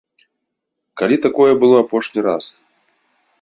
Калі такое было апошні раз?